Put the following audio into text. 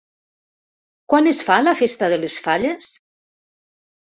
Quan es fa la festa de les falles?